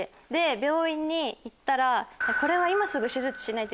病院に行ったら。